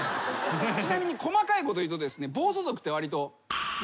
ちなみに細かいこと言うとですね。